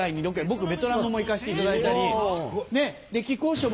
僕ベトナムも行かしていただいたり木久扇師匠